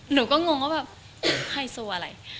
หนูก็งงว่าแบบไฮโซอะไร